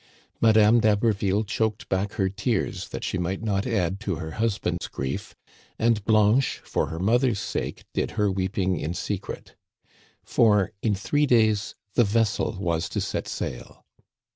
Madame d'Haberville choked back her tears that she might not add to her husband's grief, and Blanche, for her mother's sake, did her weeping in secret ; for in three days the vessel was to set sail.